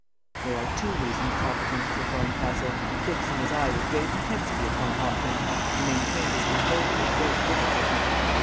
"There are two reasons, Toppleton," said Barncastle, fixing his eye with great intensity upon Hopkins, who maintained his composure with great difficulty.